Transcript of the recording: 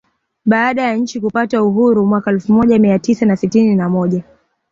Baada ya nchi kupata Uhuru mwaka elfu moja mia tisa na sitini na moja